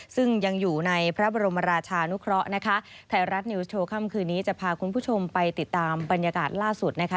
ซึ่งยังอยู่ในพระบรมราชานุเคราะห์นะคะไทยรัฐนิวส์โชว์ค่ำคืนนี้จะพาคุณผู้ชมไปติดตามบรรยากาศล่าสุดนะคะ